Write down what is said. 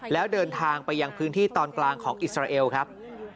แล้วเดินทางไปยังพื้นที่ตอนกลางของอิสราเอลครับ